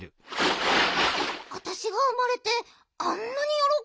あたしがうまれてあんなによろこんでたんだ。